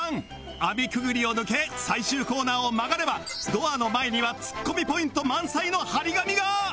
網くぐりを抜け最終コーナーを曲がればドアの前にはツッコミポイント満載の貼り紙が！